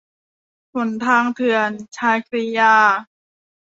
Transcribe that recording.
หนทางเถื่อน - ชาครียา